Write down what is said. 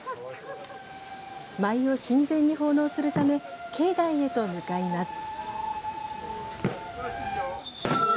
舞を神前に奉納するため境内へと向かいます。